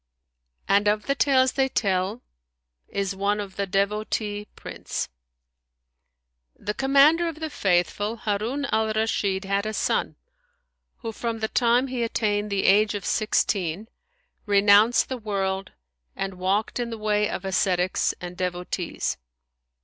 And of the tales they tell is one of THE DEVOTEE PRINCE The Commander of the Faithful, Harun al Rashid, had a son who, from the time he attained the age of sixteen, renounced the world and walked in the way[FN#158] of ascetics and devotees.